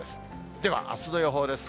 ではあすの予報です。